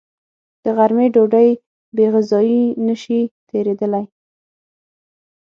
د غرمې ډوډۍ بېغذايي نشي تېرېدلی